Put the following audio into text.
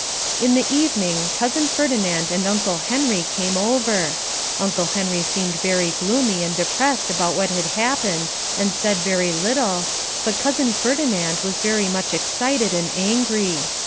In the evening Cousin Ferdinand and Uncle Henry came over. Uncle Henry seemed very gloomy and depressed about what had happened and said very little, but Cousin Ferdinand was very much excited and angry.